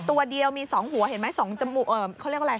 ตัวเดียวมีสองหัวเห็นไหมสองจมูกเออเขาเรียกอะไร